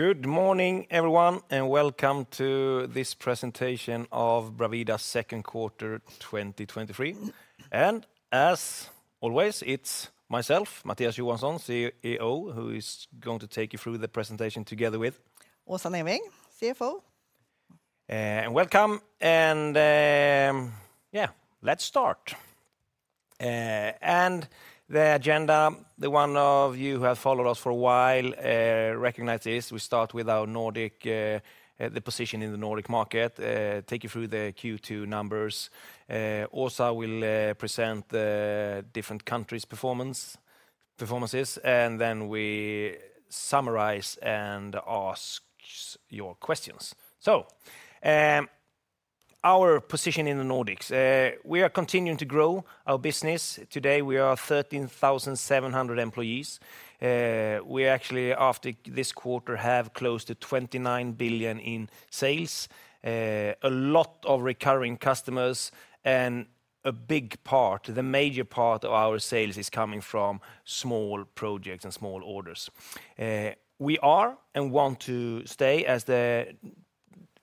Good morning, everyone, welcome to this presentation of Bravida's Q2 2023. As always, it's myself, Mattias Johansson, CEO, who is going to take you through the presentation together with- Åsa Neving, CFO. Welcome, yeah, let's start. The agenda, the one of you who have followed us for a while, recognize this. We start with our Nordic, the position in the Nordic market, take you through the Q2 numbers. Åsa will present the different countries' performances, and then we summarize and ask your questions. Our position in the Nordics. We are continuing to grow our business. Today, we are 13,700 employees. We actually, after this quarter, have close to 29 billion in sales, a lot of recurring customers, and a big part, the major part of our sales is coming from small projects and small orders. We are and want to stay as the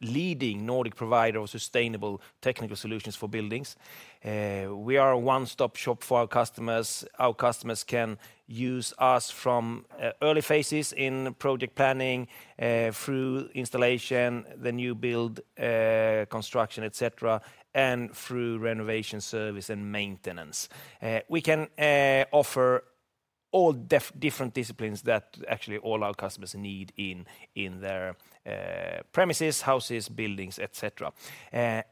leading Nordic provider of sustainable technical solutions for buildings. We are a one-stop shop for our customers. Our customers can use us from early phases in project planning, through installation, the new build, construction, et cetera, and through renovation, service, and maintenance. We can offer all different disciplines that actually all our customers need in their premises, houses, buildings, et cetera. We are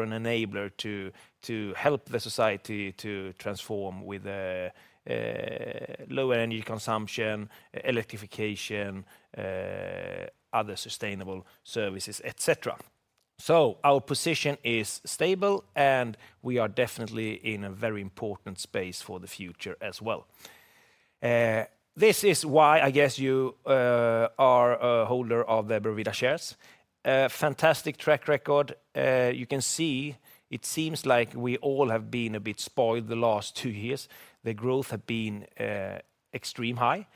an enabler to help the society to transform with lower energy consumption, electrification, other sustainable services, et cetera. Our position is stable, and we are definitely in a very important space for the future as well. This is why I guess you are a holder of the Bravida shares. Fantastic track record. You can see it seems like we all have been a bit spoiled the last 2 years. The growth have been extreme high.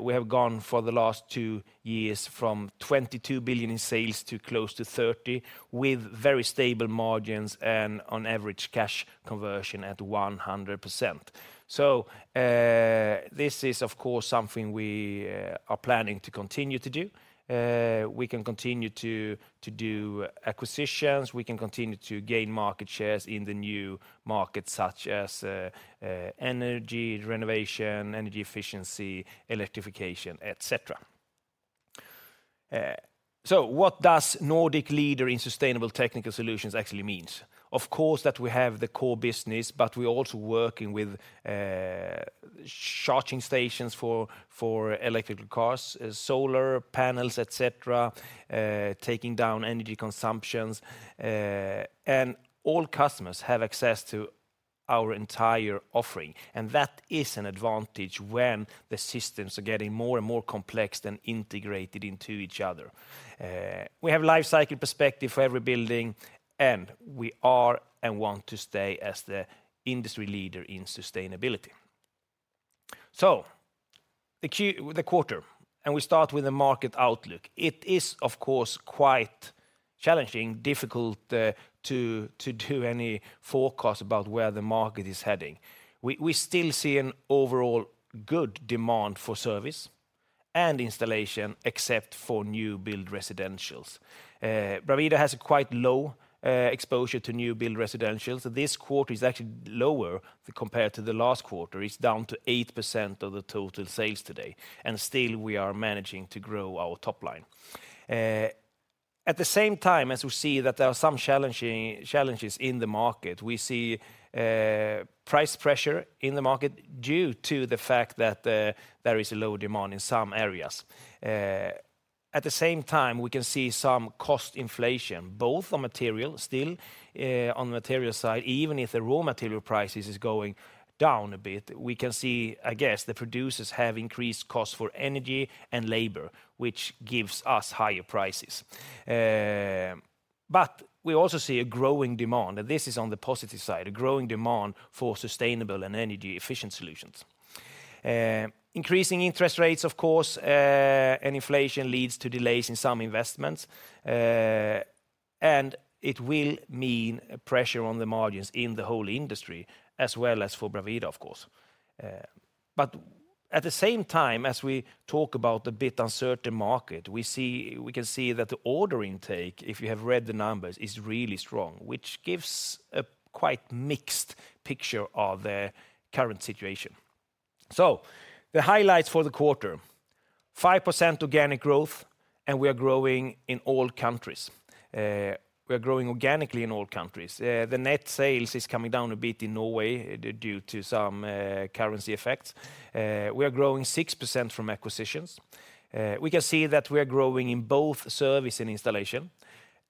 We have gone for the last 2 years from 22 billion in sales to close to 30 billion, with very stable margins and on average, cash conversion at 100%. This is, of course, something we are planning to continue to do. We can continue to do acquisitions, we can continue to gain market shares in the new markets, such as energy renovation, energy efficiency, electrification, et cetera. What does Nordic leader in sustainable technical solutions actually means? Of course, that we have the core business, but we're also working with charging stations for electrical cars, solar panels, et cetera, taking down energy consumptions. All customers have access to our entire offering, and that is an advantage when the systems are getting more and more complex than integrated into each other. We have life cycle perspective for every building, and we are and want to stay as the industry leader in sustainability. The quarter, we start with the market outlook. It is, of course, quite challenging, difficult, to do any forecast about where the market is heading. We still see an overall good demand for service and installation, except for new build residentials. Bravida has a quite low exposure to new build residentials. This quarter is actually lower compared to the last quarter. It's down to 8% of the total sales today, still we are managing to grow our top line. At the same time, as we see that there are some challenges in the market, we see price pressure in the market due to the fact that there is a low demand in some areas. At the same time, we can see some cost inflation, both on material, still, on the material side, even if the raw material prices is going down a bit, we can see, I guess, the producers have increased costs for energy and labor, which gives us higher prices. We also see a growing demand, and this is on the positive side, a growing demand for sustainable and energy-efficient solutions. Increasing interest rates, of course, and inflation leads to delays in some investments, and it will mean pressure on the margins in the whole industry, as well as for Bravida, of course. At the same time, as we talk about the bit uncertain market, we can see that the order intake, if you have read the numbers, is really strong, which gives a quite mixed picture of the current situation. The highlights for the quarter: 5% organic growth, and we are growing in all countries. We are growing organically in all countries. The net sales is coming down a bit in Norway, due to some currency effects. We are growing 6% from acquisitions. We can see that we are growing in both service and installation,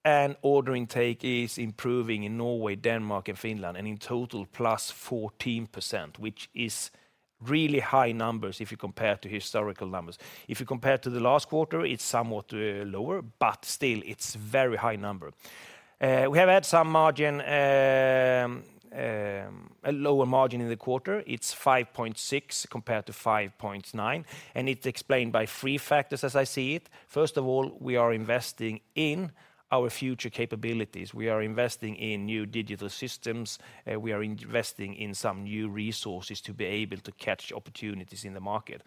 and order intake is improving in Norway, Denmark, and Finland, and in total, +14%, which is really high numbers if you compare to historical numbers. If you compare to the last quarter, it's somewhat lower, but still, it's very high number. We have had some margin, a lower margin in the quarter. It's 5.6% compared to 5.9%, and it's explained by three factors, as I see it. First of all, we are investing in our future capabilities. We are investing in new digital systems, we are investing in some new resources to be able to catch opportunities in the market.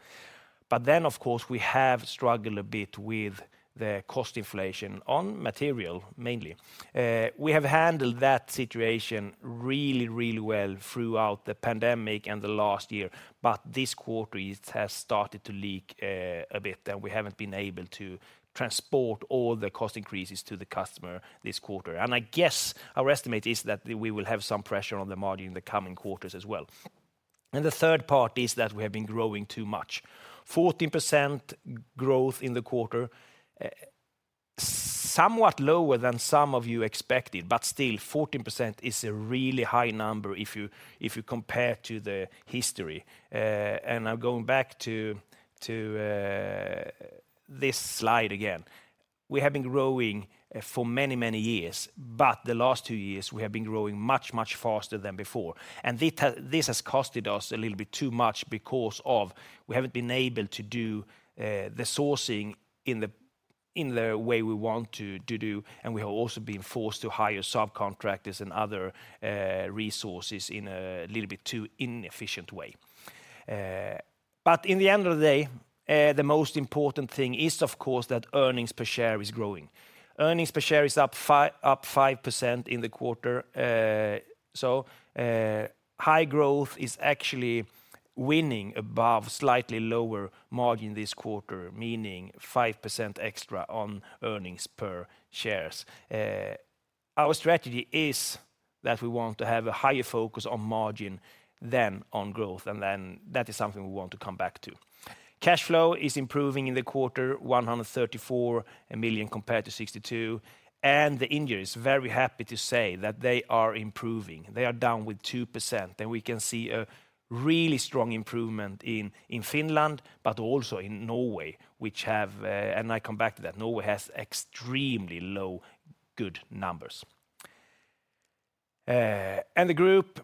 Then, of course, we have struggled a bit with the cost inflation on material, mainly. We have handled that situation really, really well throughout the pandemic and the last year, but this quarter, it has started to leak, a bit, and we haven't been able to transport all the cost increases to the customer this quarter. I guess our estimate is that we will have some pressure on the margin in the coming quarters as well. The third part is that we have been growing too much. 14% growth in the quarter, somewhat lower than some of you expected, but still 14% is a really high number if you compare to the history. I'm going back to this slide again. We have been growing for many years, but the last 2 years, we have been growing much faster than before. This has cost us a little bit too much because we haven't been able to do the sourcing in the way we want to do, and we have also been forced to hire subcontractors and other resources in a little bit too inefficient way. In the end of the day, the most important thing is, of course, that earnings per share is growing. Earnings per share is up 5% in the quarter. High growth is actually winning above slightly lower margin this quarter, meaning 5% extra on earnings per share. Our strategy is that we want to have a higher focus on margin than on growth. That is something we want to come back to. Cash flow is improving in the quarter, 134 million compared to 62 million. The injury is very happy to say that they are improving. They are down with 2%. We can see a really strong improvement in Finland, but also in Norway, which have, and I come back to that, Norway has extremely low, good numbers. The group,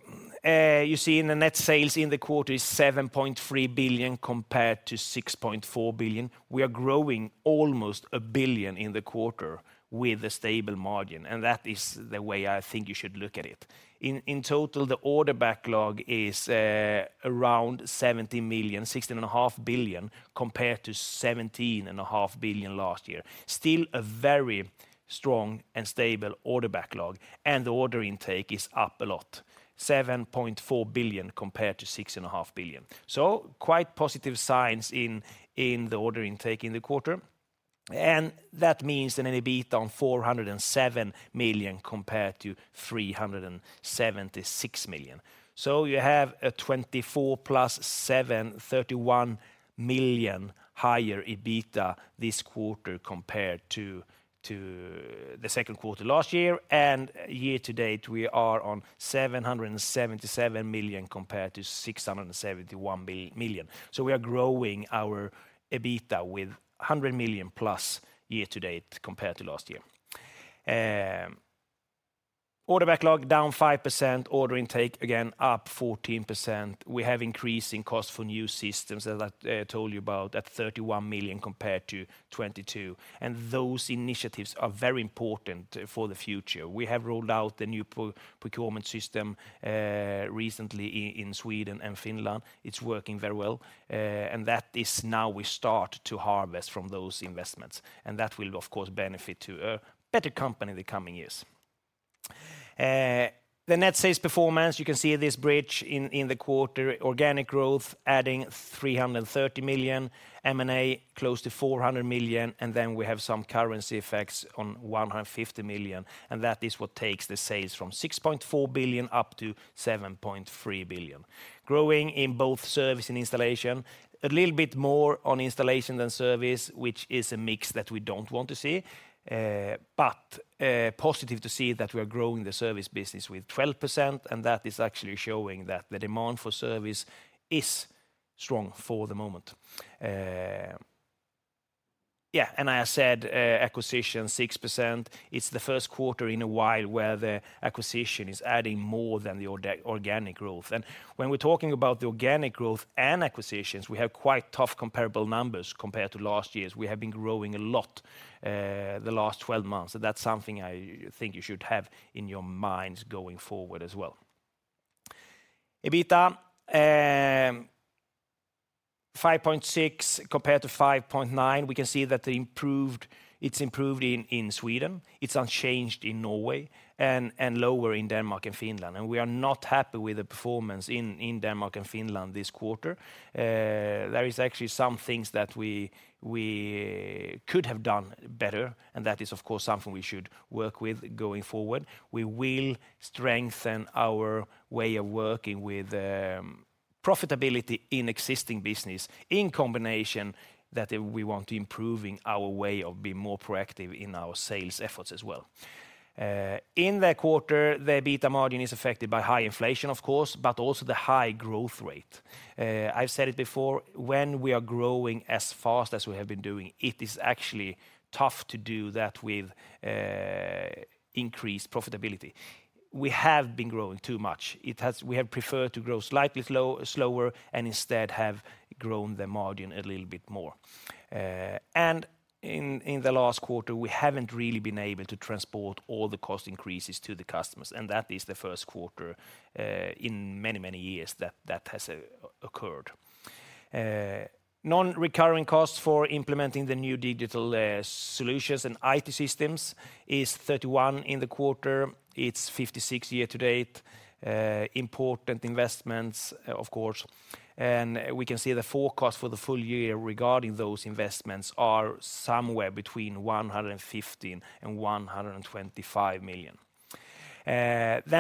you see in the net sales in the quarter is 7.3 billion compared to 6.4 billion. We are growing almost 1 billion in the quarter with a stable margin, and that is the way I think you should look at it. In total, the order backlog is around 17 million, 16.5 billion, compared to 17.5 billion last year. Still a very strong and stable order backlog. The order intake is up a lot, 7.4 billion compared to 6.5 billion. Quite positive signs in the order intake in the quarter. That means an EBIT on 407 million compared to 376 million. You have a 24 + 7, 31 million higher EBITA this quarter compared to the Q2 last year, and year to date, we are on 777 million compared to 671 million. We are growing our EBITA with 100 million+ year to date compared to last year. Order backlog down 5%, order intake, again, up 14%. We have increase in cost for new systems, as I told you about, at 31 million compared to 22 million, and those initiatives are very important for the future. We have rolled out the new procurement system recently in Sweden and Finland. It's working very well, and that is now we start to harvest from those investments, and that will, of course, benefit to a better company in the coming years. The net sales performance, you can see this bridge in the quarter, organic growth adding 330 million, M&A close to 400 million. We have some currency effects on 150 million. That is what takes the sales from 6.4 billion up to 7.3 billion. Growing in both service and installation, a little bit more on installation than service, which is a mix that we don't want to see, but positive to see that we are growing the service business with 12%, and that is actually showing that the demand for service is strong for the moment. Yeah, I said, acquisition 6%, it's the first quarter in a while where the acquisition is adding more than the organic growth. When we're talking about the organic growth and acquisitions, we have quite tough comparable numbers compared to last year's. We have been growing a lot, the last 12 months, so that's something I think you should have in your minds going forward as well. EBITA, 5.6 compared to 5.9. We can see that it's improved in Sweden, it's unchanged in Norway, and lower in Denmark and Finland. We are not happy with the performance in Denmark and Finland this quarter. There is actually some things that we could have done better, and that is, of course, something we should work with going forward. We will strengthen our way of working with profitability in existing business, in combination that we want to improving our way of being more proactive in our sales efforts as well. In the quarter, the EBITA margin is affected by high inflation, of course, also the high growth rate. I've said it before, when we are growing as fast as we have been doing, it is actually tough to do that with increased profitability. We have been growing too much. We have preferred to grow slightly slower and instead have grown the margin a little bit more. In the last quarter, we haven't really been able to transport all the cost increases to the customers, and that is the first quarter in many, many years that that has occurred. Non-recurring costs for implementing the new digital solutions and IT systems is 31 in the quarter. It's 56 year to date. Important investments, of course. We can see the forecast for the full year regarding those investments are somewhere between 115 million and 125 million.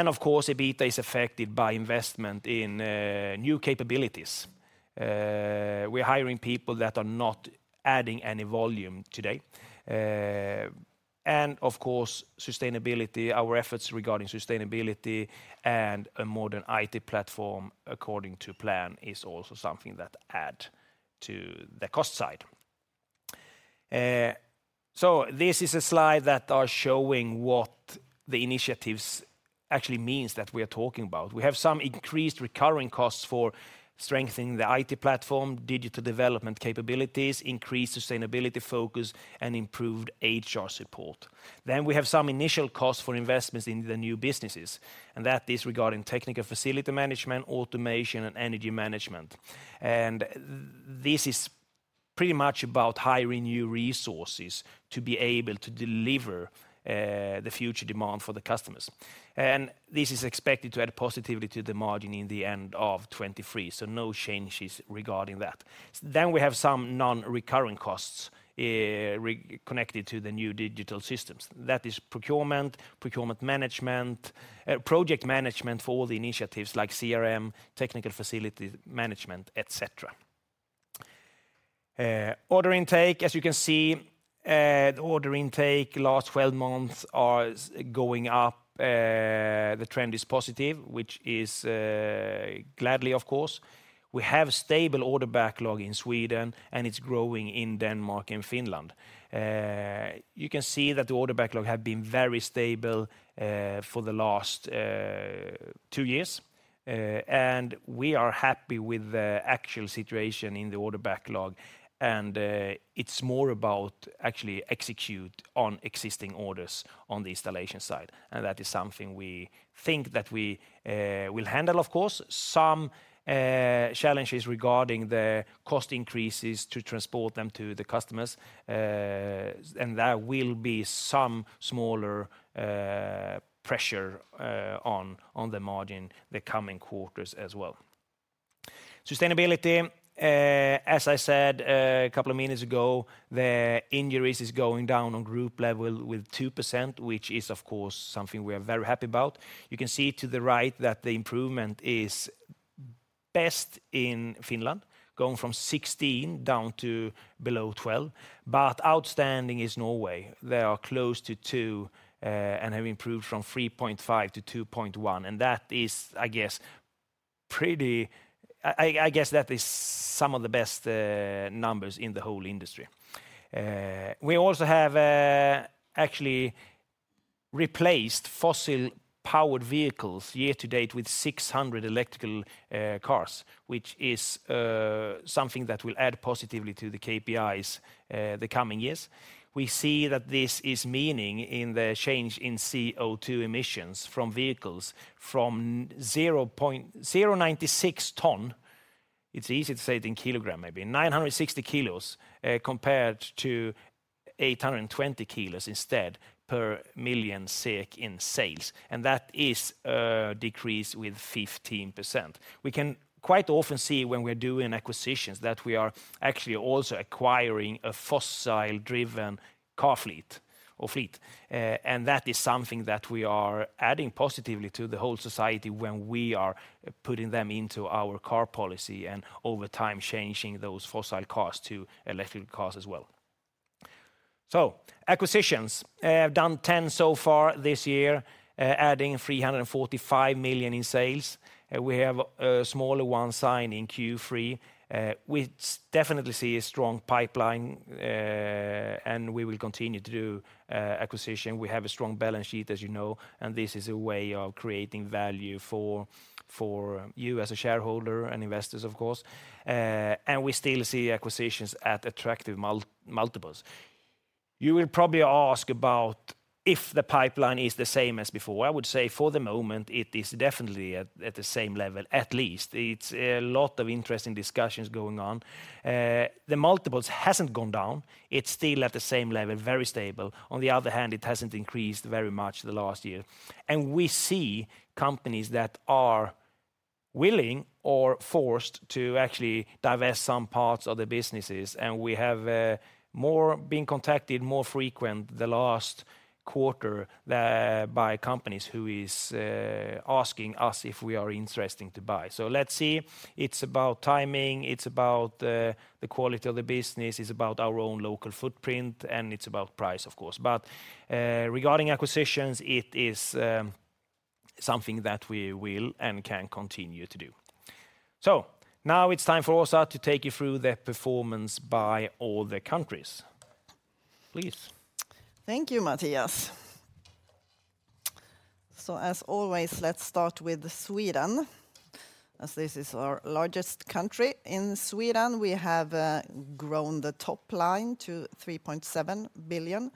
Of course, EBITDA is affected by investment in new capabilities. We're hiring people that are not adding any volume today. Of course, sustainability, our efforts regarding sustainability and a modern IT platform according to plan, is also something that add to the cost side. This is a slide that are showing what the initiatives actually means that we are talking about. We have some increased recurring costs for strengthening the IT platform, digital development capabilities, increased sustainability focus, and improved HR support. We have some initial costs for investments in the new businesses, and that is regarding technical facility management, automation, and energy management. This is pretty much about hiring new resources to be able to deliver the future demand for the customers. This is expected to add positivity to the margin in the end of 2023, so no changes regarding that. We have some non-recurring costs connected to the new digital systems. That is procurement management, project management for all the initiatives like CRM, technical facility management, et cetera. Order intake, as you can see, order intake last 12 months are going up. The trend is positive, which is gladly, of course. We have stable order backlog in Sweden, and it's growing in Denmark and Finland. You can see that the order backlog have been very stable for the last 2 years. We are happy with the actual situation in the order backlog, and it's more about actually execute on existing orders on the installation side. That is something we think that we will handle, of course. Some challenges regarding the cost increases to transport them to the customers. There will be some smaller pressure on the margin the coming quarters as well. Sustainability. As I said, a couple of minutes ago, the injuries is going down on group level with 2%, which is, of course, something we are very happy about. You can see to the right that the improvement is best in Finland, going from 16 down to below 12, but outstanding is Norway. They are close to 2 and have improved from 3.5 to 2.1, and that is, I guess, pretty. I guess that is some of the best numbers in the whole industry. We also have actually replaced fossil-powered vehicles year to date with 600 electrical cars, which is something that will add positively to the KPIs the coming years. We see that this is meaning in the change in CO2 emissions from vehicles from 0.096 ton. It's easy to say it in kilogram, maybe. 960 kilos compared to 820 kilos instead, per 1 million SEK in sales, and that is a decrease with 15%. We can quite often see when we're doing acquisitions, that we are actually also acquiring a fossil-driven car fleet or fleet, and that is something that we are adding positively to the whole society when we are putting them into our car policy, and over time, changing those fossil cars to electric cars as well. Acquisitions. I've done 10 so far this year, adding 345 million in sales. We have a smaller one signed in Q3. We definitely see a strong pipeline, and we will continue to do acquisition. We have a strong balance sheet, as you know, and this is a way of creating value for you as a shareholder and investors, of course, and we still see acquisitions at attractive multiples. You will probably ask about if the pipeline is the same as before. I would say, for the moment, it is definitely at the same level, at least. It's a lot of interesting discussions going on. The multiples hasn't gone down. It's still at the same level, very stable. On the other hand, it hasn't increased very much the last year. We see companies that are willing or forced to actually divest some parts of their businesses, and we have been contacted more frequent the last quarter by companies who is asking us if we are interesting to buy. Let's see. It's about timing, it's about the quality of the business, it's about our own local footprint, and it's about price, of course. Regarding acquisitions, it is something that we will and can continue to do. Now it's time for Åsa to take you through the performance by all the countries. Please. Thank you, Mattias. As always, let's start with Sweden, as this is our largest country. In Sweden, we have grown the top line to 3.7 billion.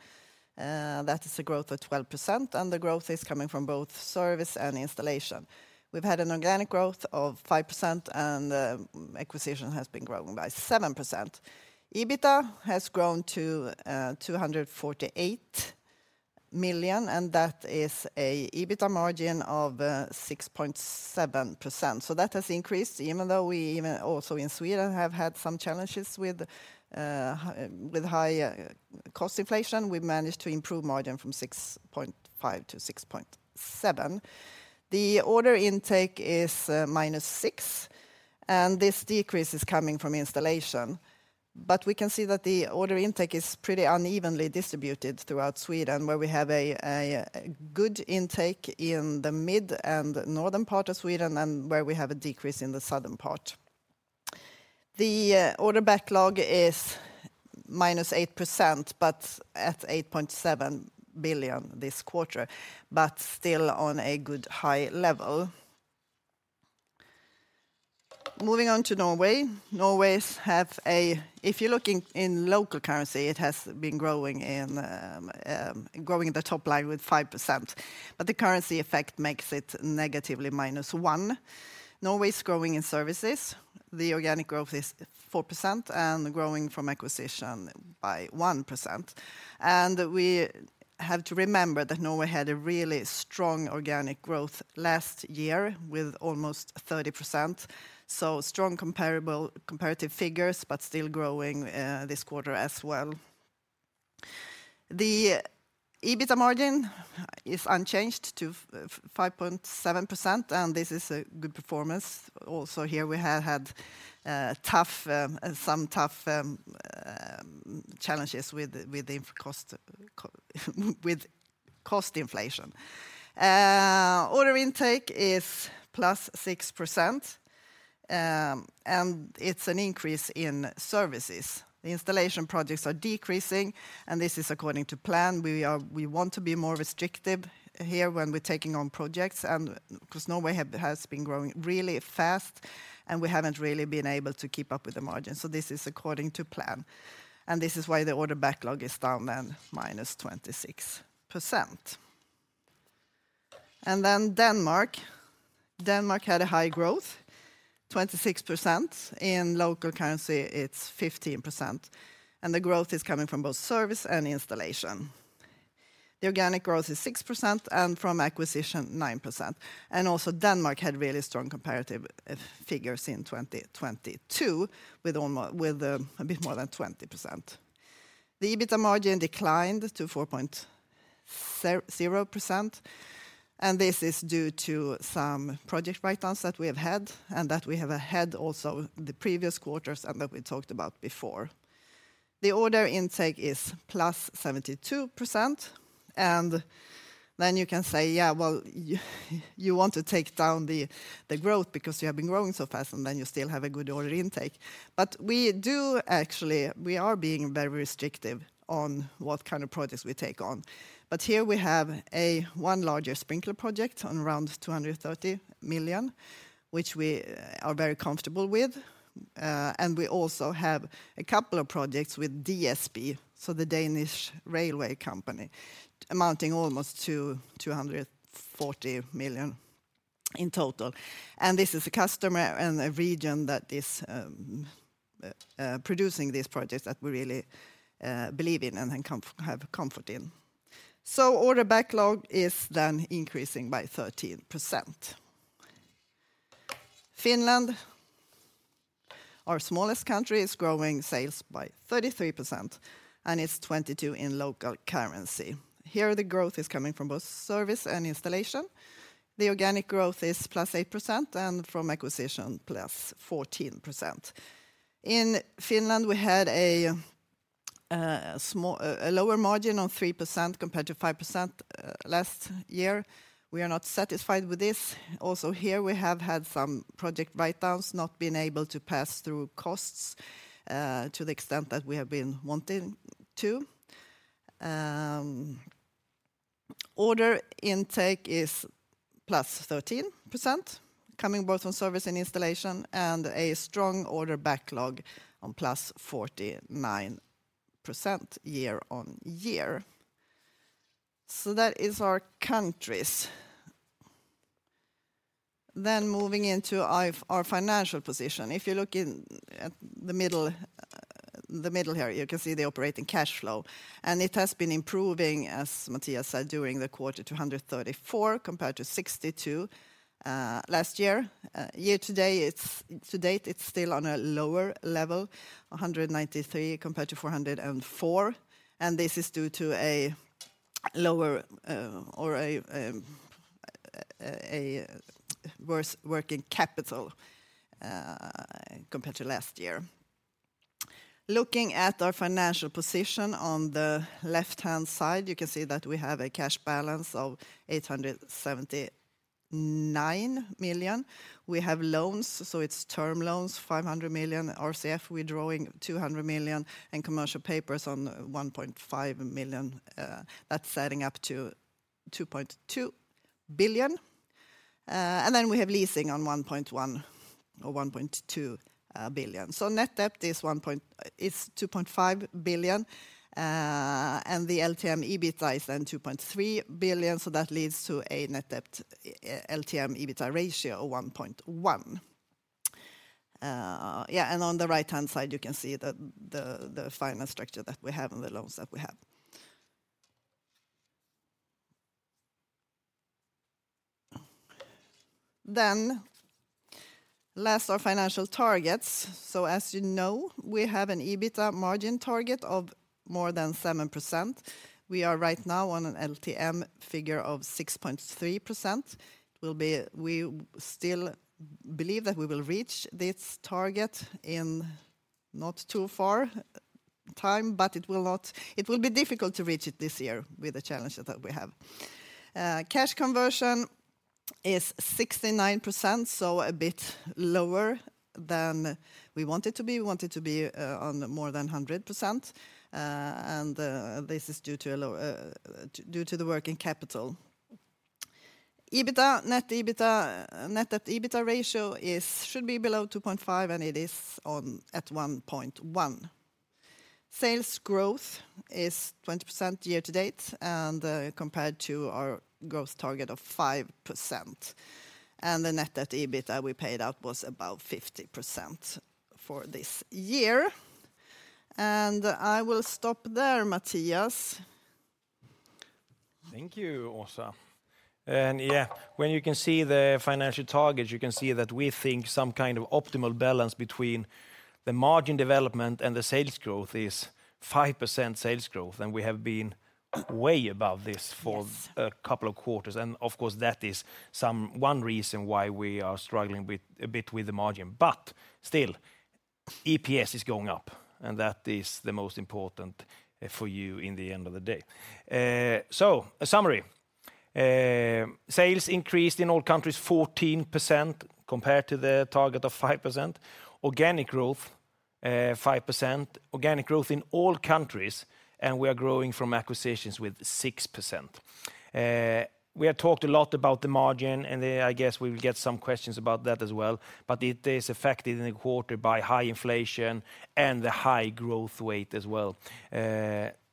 That is a growth of 12%, and the growth is coming from both service and installation. We've had an organic growth of 5%, and acquisition has been growing by 7%. EBITDA has grown to 248 million, and that is an EBITDA margin of 6.7%. That has increased, even though we even also in Sweden, have had some challenges with high cost inflation, we've managed to improve margin from 6.5% to 6.7%. The order intake is -6%, and this decrease is coming from installation. We can see that the order intake is pretty unevenly distributed throughout Sweden, where we have a good intake in the mid and northern part of Sweden, and where we have a decrease in the southern part. The order backlog is -8%, but at 8.7 billion this quarter, but still on a good high level. Moving on to Norway. Norway has if you're looking in local currency, it has been growing in growing the top line with 5%, but the currency effect makes it negatively -1%. Norway is growing in services. The organic growth is 4%, and growing from acquisition by 1%. We have to remember that Norway had a really strong organic growth last year with almost 30%. Strong comparable, comparative figures, but still growing this quarter as well. The EBITDA margin is unchanged to 5.7%, and this is a good performance. Also here, we have had tough some tough challenges with cost inflation. Order intake is +6%, and it's an increase in services. The installation projects are decreasing, and this is according to plan. We want to be more restrictive here when we're taking on projects, and because Norway has been growing really fast, and we haven't really been able to keep up with the margin. This is according to plan, and this is why the order backlog is down than -26%. Denmark. Denmark had a high growth, 26%. In local currency, it's 15%, and the growth is coming from both service and installation. The organic growth is 6%, and from acquisition, 9%. Also, Denmark had really strong comparative figures in 2022, with a bit more than 20%. The EBITDA margin declined to 4.0%, and this is due to some project write-downs that we have had, and that we have had also the previous quarters, and that we talked about before. The order intake is +72%. Then you can say, "Yeah, well, you want to take down the growth because you have been growing so fast, and then you still have a good order intake." We do actually, we are being very restrictive on what kind of projects we take on. Here we have one larger sprinkler project on around 230 million, which we are very comfortable with, and we also have a couple of projects with DSB, so the Danish railway company, amounting almost to 240 million in total. This is a customer and a region that is producing these projects that we really believe in and have comfort in. Order backlog is then increasing by 13%. Finland, our smallest country, is growing sales by 33%, and it's 22% in local currency. Here, the growth is coming from both service and installation. The organic growth is +8%, and from acquisition, +14%. In Finland, we had a lower margin on 3% compared to 5% last year. We are not satisfied with this. Here, we have had some project write-downs, not been able to pass through costs, to the extent that we have been wanting to. Order intake is +13%, coming both from service and installation, and a strong order backlog on +49% year-over-year. That is our countries. Moving into our financial position. If you look at the middle here, you can see the operating cash flow. It has been improving, as Mattias said, during the quarter to 134 compared to 62 last year. Year-to-date, it's still on a lower level, 193 compared to 404. This is due to a lower or a worse working capital compared to last year. Looking at our financial position on the left-hand side, you can see that we have a cash balance of 879 million. We have loans, it's term loans, 500 million RCF, we're drawing 200 million, commercial papers on 1.5 million, that's adding up to 2.2 billion. We have leasing on 1.1 billion or 1.2 billion. Net debt is 2.5 billion, the LTM EBITDA is 2.3 billion, that leads to a net debt LTM EBITDA ratio of 1.1. On the right-hand side, you can see the finance structure that we have and the loans that we have. Last, our financial targets. As you know, we have an EBITDA margin target of more than 7%. We are right now on an LTM figure of 6.3%. We still believe that we will reach this target in not too far time, but It will be difficult to reach it this year with the challenges that we have. Cash conversion is 69%, so a bit lower than we want it to be. We want it to be on more than 100%, and this is due to a low due to the working capital. net debt/EBITDA ratio should be below 2.5, and it is on at 1.1. Sales growth is 20% year to date, and compared to our growth target of 5%, and the net debt EBITDA we paid out was about 50% for this year. I will stop there, Mattias. Thank you, Åsa. Yeah, when you can see the financial targets, you can see that we think some kind of optimal balance between the margin development and the sales growth is 5% sales growth, and we have been way above this. Yes... a couple of quarters. Of course, that is one reason why we are struggling a bit with the margin. Still, EPS is going up, and that is the most important for you in the end of the day. A summary. Sales increased in all countries 14%, compared to the target of 5%. Organic growth, 5%. Organic growth in all countries. We are growing from acquisitions with 6%. We have talked a lot about the margin. I guess we will get some questions about that as well. It is affected in the quarter by high inflation and the high growth rate as well.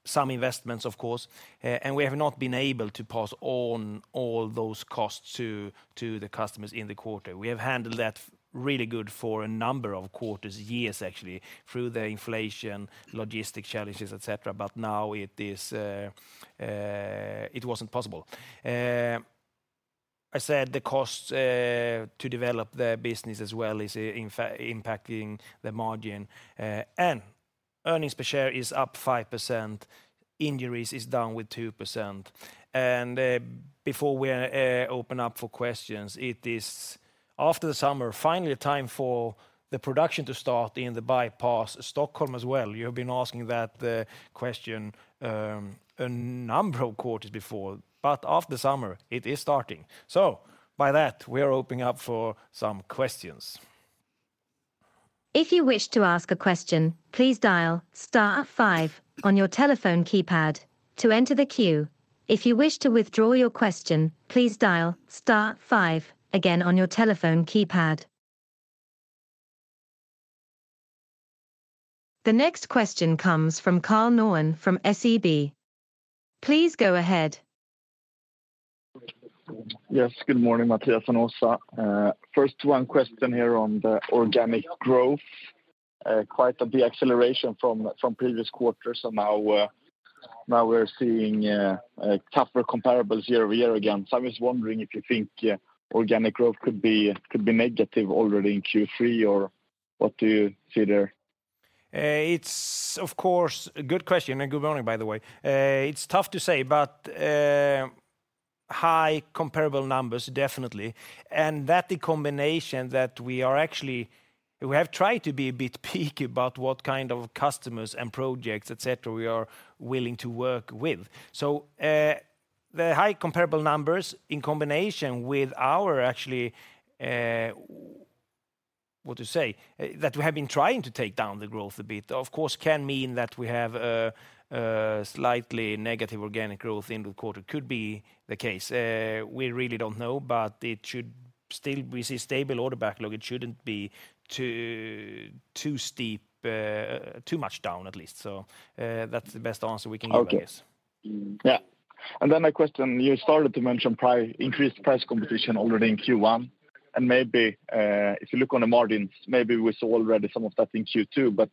Some investments, of course. We have not been able to pass on all those costs to the customers in the quarter. We have handled that really good for a number of quarters, years, actually, through the inflation, logistic challenges, et cetera, but now it is, it wasn't possible. I said the cost to develop the business as well is, in fact, impacting the margin, and earnings per share is up 5%, injuries is down with 2%. Before we open up for questions, it is, after the summer, finally time for the production to start in the Stockholm Bypass as well. You have been asking that question a number of quarters before, but after summer, it is starting. By that, we are opening up for some questions. If you wish to ask a question, please dial star five on your telephone keypad to enter the queue. If you wish to withdraw your question, please dial star five again on your telephone keypad. The next question comes from Karl Norén from SEB. Please go ahead. Yes, good morning, Mattias and Åsa Neving. One question here on the organic growth. Quite a deceleration from previous quarters. Now, now we're seeing tougher comparables year-over-year again. I was wondering if you think organic growth could be negative already in Q3. What do you see there? It's of course a good question, good morning, by the way. It's tough to say, high comparable numbers, definitely. That, the combination that we have tried to be a bit picky about what kind of customers and projects, et cetera, we are willing to work with. The high comparable numbers, in combination with our actually, what to say? That we have been trying to take down the growth a bit, of course, can mean that we have a slightly negative organic growth in the quarter. Could be the case. We really don't know, it should still receive stable order backlog. It shouldn't be too steep, too much down at least. That's the best answer we can give, I guess. Okay. Yeah. My question: You started to mention increased price competition already in Q1, maybe if you look on the margins, maybe we saw already some of that in Q2.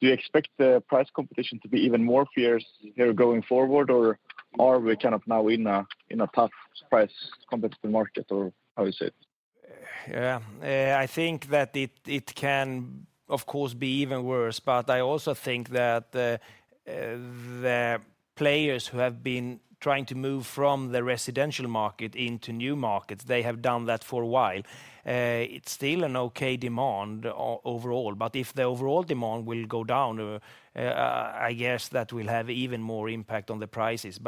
Do you expect the price competition to be even more fierce here going forward, or are we kind of now in a, in a tough price competitive market or how is it? Yeah. I think that it can, of course, be even worse, but I also think that the players who have been trying to move from the residential market into new markets, they have done that for a while. It's still an okay demand overall, but if the overall demand will go down, I guess that will have even more impact on the prices.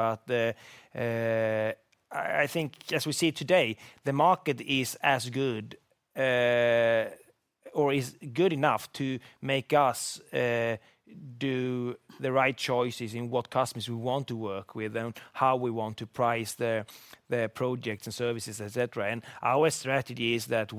I think as we see today, the market is as good or is good enough to make us do the right choices in what customers we want to work with and how we want to price their projects and services, et cetera. Our strategy is that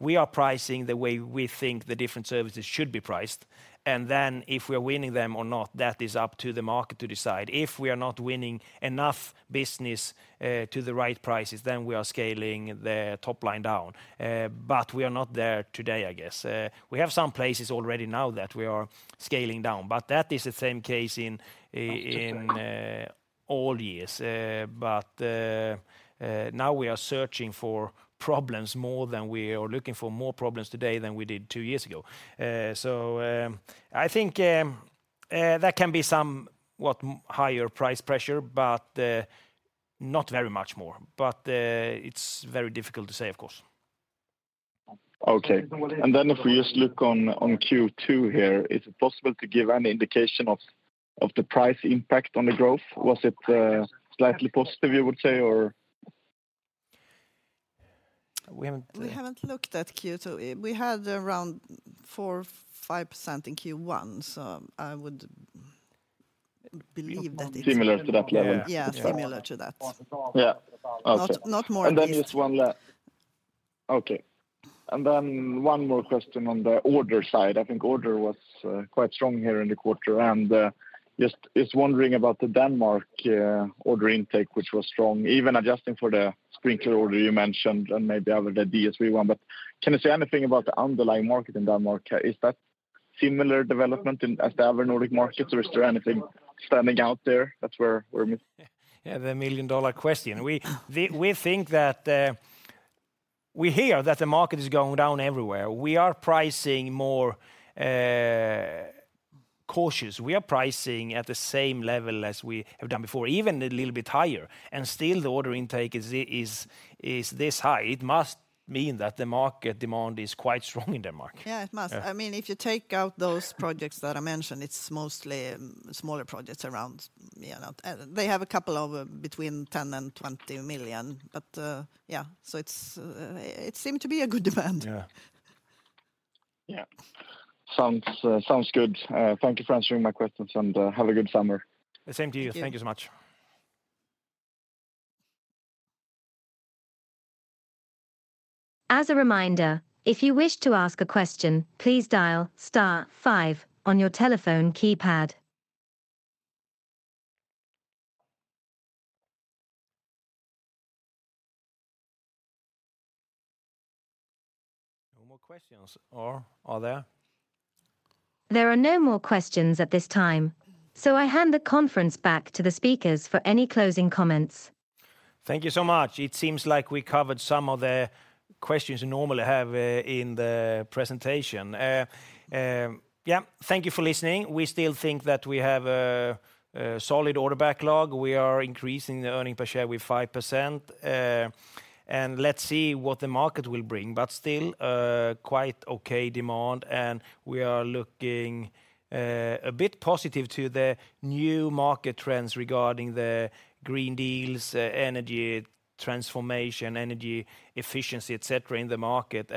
we are pricing the way we think the different services should be priced, and then if we're winning them or not, that is up to the market to decide. If we are not winning enough business to the right prices, then we are scaling the top line down. We are not there today, I guess. We have some places already now that we are scaling down, but that is the same case in all years. Now we are searching for problems more than we are looking for more problems today than we did two years ago. I think there can be somewhat higher price pressure, but not very much more. It's very difficult to say, of course. Okay. If we just look on Q2 here, is it possible to give any indication of the price impact on the growth? Was it slightly positive, you would say, or? We haven't. We haven't looked at Q2. We had around 4% or 5% in Q1, so I would believe that. Similar to that level? Yeah. Yeah. Similar to that. Yeah. Okay. Not, not more- Just one last... Okay. One more question on the order side. I think order was quite strong here in the quarter, and just wondering about the Denmark order intake, which was strong, even adjusting for the sprinkler order you mentioned, and maybe other, the DSV one. Can you say anything about the underlying market in Denmark? Is that similar development in, as the other Nordic markets, or is there anything standing out there that's where we're? Yeah, the million-dollar question. We hear that the market is going down everywhere. We are pricing more cautious. We are pricing at the same level as we have done before, even a little bit higher, and still the order intake is this high. It must mean that the market demand is quite strong in the market. Yeah, it must. Yeah. I mean, if you take out those projects that I mentioned, it's mostly, smaller projects around, you know. They have a couple of between 10 million and 20 million, but, yeah, so it's, it seem to be a good demand. Yeah. Yeah. Sounds good. Thank you for answering my questions, and have a good summer. The same to you. Thank you. Thank you so much. As a reminder, if you wish to ask a question, please dial star five on your telephone keypad. No more questions, or are there? There are no more questions at this time, so I hand the conference back to the speakers for any closing comments. Thank you so much. It seems like we covered some of the questions you normally have in the presentation. Yeah, thank you for listening. We still think that we have a solid order backlog. We are increasing the earnings per share with 5%. Let's see what the market will bring, but still, quite okay demand, and we are looking a bit positive to the new market trends regarding the Green Deal, energy transformation, energy efficiency, et cetera, in the market.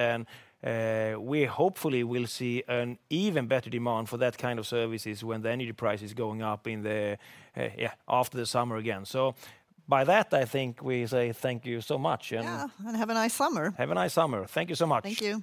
We hopefully will see an even better demand for that kind of services when the energy price is going up in the, yeah, after the summer again. By that, I think we say thank you so much. Yeah, have a nice summer. Have a nice summer. Thank you so much. Thank you.